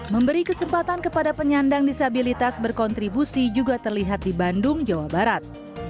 memberi kesempatan kepada penyandang disabilitas berkontribusi juga terlihat di bandung jawa barat